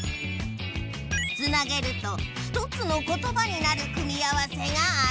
つなげると１つのことばになる組み合わせがある。